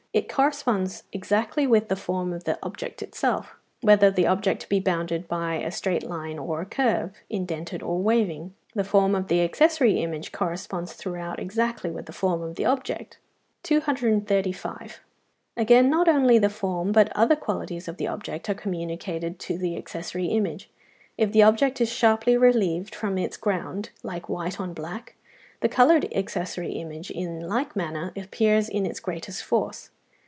It corresponds exactly with the form of the object itself. Whether the object be bounded by a straight line or a curve, indented or waving, the form of the accessory image corresponds throughout exactly with the form of the object. 235. Again, not only the form but other qualities of the object are communicated to the accessory image. If the object is sharply relieved from its ground, like white on black, the coloured accessory image in like manner appears in its greatest force.